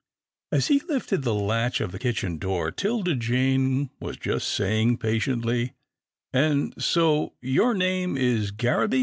As he lifted the latch of the kitchen door, 'Tilda Jane was just saying patiently, " And so your name is Garraby."